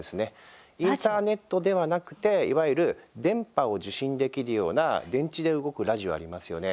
インターネットではなくていわゆる電波を受信できるような電池で動くラジオありますよね。